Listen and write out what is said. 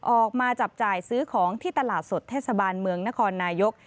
ออกมาจับจ่ายซื้อของที่ตลาดสดเทศบาลเมืองนครนายก